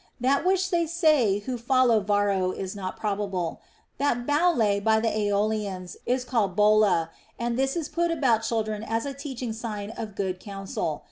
That which they say who follow Varro is not probable, that houle by the Aeolians is called holla, and this is put about children as a teaching sign of good counsel.